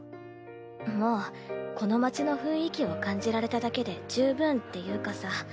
もうこの街の雰囲気を感じられただけで十分っていうかさ